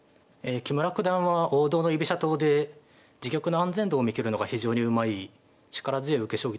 え木村九段は王道の居飛車党で自玉の安全度を見切るのが非常にうまい力強い受け